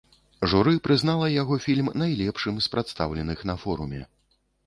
Журы прызнала яго фільм найлепшым з прадстаўленых на форуме.